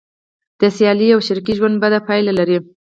د سیالۍ او شریکۍ ژوند بده پایله لري.